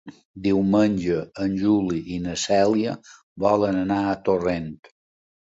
Diumenge en Juli i na Cèlia volen anar a Torrent.